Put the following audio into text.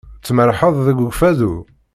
Tmerrḥeḍ deg Ukfadu?